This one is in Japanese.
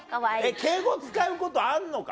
敬語使うことあんのか？